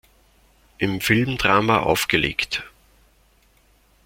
Im Filmdrama "Aufgelegt!